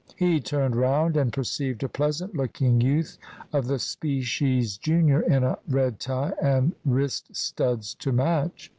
He turned round and perceived a pleasant looking youth of the species junior, in a red tie and wrist studs to match.